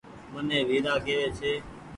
مني ويرآ ڪيوي ڇي